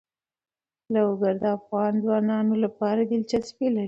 لوگر د افغان ځوانانو لپاره دلچسپي لري.